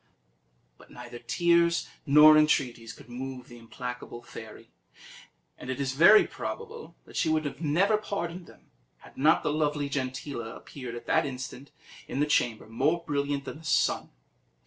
But neither tears nor entreaties could move the implacable fairy; and it is very probable that she would never have pardoned them, had not the lovely Gentilla appeared at that instant in the chamber, more brilliant than the sun.